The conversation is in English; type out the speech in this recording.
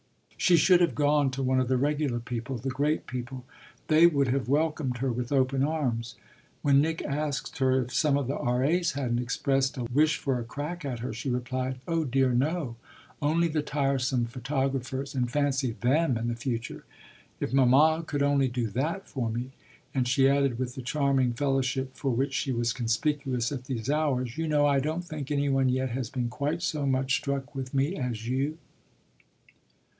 She should have gone to one of the regular people, the great people: they would have welcomed her with open arms. When Nick asked her if some of the R.A.'s hadn't expressed a wish for a crack at her she replied: "Oh dear no, only the tiresome photographers; and fancy them in the future. If mamma could only do that for me!" And she added with the charming fellowship for which she was conspicuous at these hours: "You know I don't think any one yet has been quite so much struck with me as you."